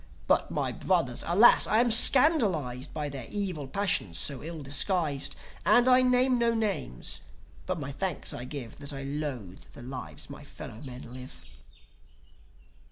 But my brothers! Alas! I am scandalized By their evil passions so ill disguised. And I name no names, but my thanks I give That I loathe the lives my fellow men live."